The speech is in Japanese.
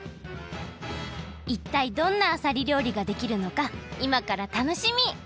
いったいどんなあさりりょうりができるのかいまから楽しみ！